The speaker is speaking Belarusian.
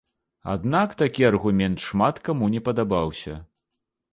Аднак такі аргумент шмат каму не падабаўся.